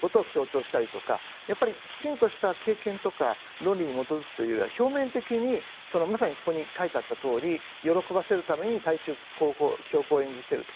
ですから例えばとにかく、脅威ということを強調したりとかきちんとした経験とか論理に基づくというよりは表面的にここに書いてあるとおり喜ばせるために対中強硬を演じていると。